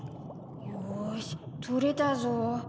よーしとれたぞ。